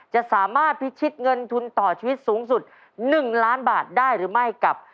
จะสามารถพิชิตเงินทุนต่อชีวิตสูงสุด๑ล้านบาทได้หรือไม่กับ